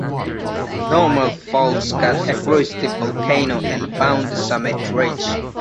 Normal faults cut across the volcano and bound the summit ridge.